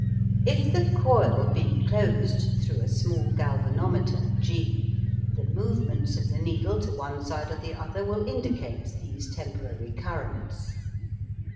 If the coil be closed through a small galvanometer G the movements of the needle to one side or the other will indicate these temporary currents.